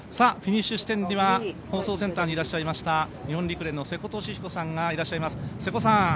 フィニッシュ地点には放送センターにいらっしゃいました日本陸連の瀬古利彦さんがいらっしゃいます。